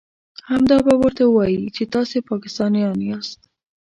همدا به ورته وايئ چې تاسې پاکستانيان ياست.